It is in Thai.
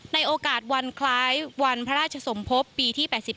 ในโอกาสวันคล้ายวันพระราชสมภพปีที่๘๙